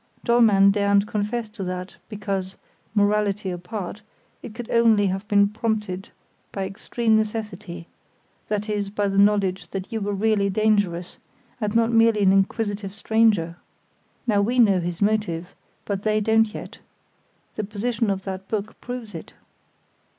Dollmann daren't confess to that, because, morality apart, it could only have been prompted by extreme necessity—that is, by the knowledge that you were really dangerous, and not merely an inquisitive stranger. Now we know his motive; but they don't yet. The position of that book proves it."